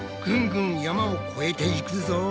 ぐんぐん山を越えていくぞ！